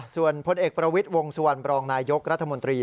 ส่วนพลเอกประวิทย์วงสุวรรณบรองนายยกรัฐมนตรี